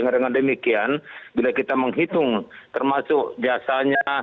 dengan demikian bila kita menghitung termasuk jasanya